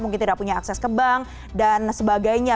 mungkin tidak punya akses ke bank dan sebagainya